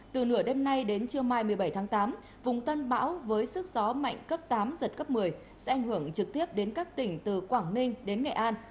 từ nửa đêm nay đến trưa mai một mươi bảy tháng tám vùng tân bão với sức gió mạnh cấp tám giật cấp một mươi sẽ ảnh hưởng trực tiếp đến các tỉnh từ quảng ninh đến nghệ an